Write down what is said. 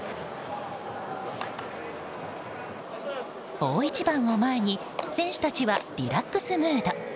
大一番を前に選手たちはリラックスムード。